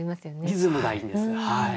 リズムがいいんです。